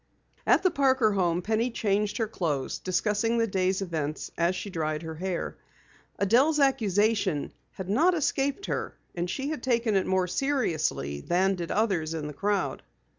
At the Parker home, Penny changed her clothes, discussing the day's events as she dried her hair. Adelle's accusation had not escaped her, and she had taken it more seriously than did others in the crowd.